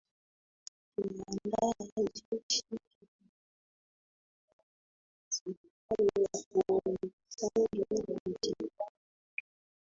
Kiliandaa jeshi kikapambana na serikali ya Kuomintang na Japani pia